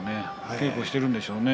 稽古をしてるんでしょうね。